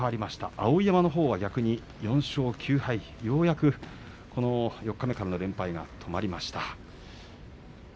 碧山は逆に４勝９敗ようやく四日目からの連敗が止まりました。